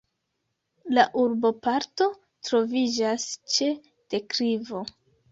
La urboparto troviĝas ĉe deklivo.